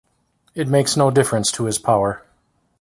It makes no difference to his power.